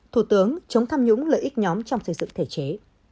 thủ tướng chống tham nhũng lợi ích nhóm trong xây dựng thể chế